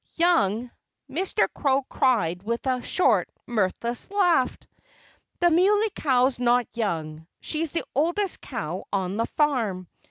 "Young!" Mr. Crow cried with a short, mirthless laugh. "The Muley Cow's not young. She's the oldest cow on the farm.